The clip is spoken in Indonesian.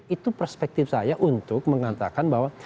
itu perspektif saya untuk mengatakan bahwa